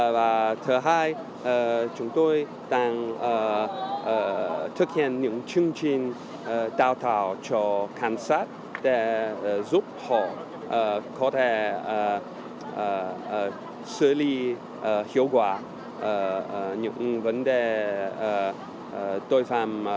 và thứ hai chúng tôi đang thực hiện những chương trình trao thảo cho khán sát để giúp họ có thể xử lý hiệu quả những vấn đề tội phạm